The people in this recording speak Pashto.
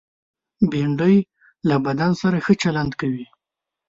بېنډۍ له بدن سره ښه چلند کوي